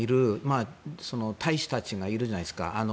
せっかく海外にいる大使たちがいるじゃないですか。